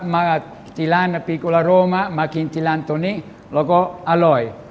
มากับที่ร้านปีโกลาโรมะมากินที่ร้านตัวนี้แล้วก็อร่อย